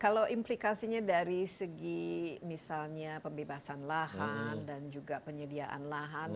kalau implikasinya dari segi misalnya pembebasan lahan dan juga penyediaan lahan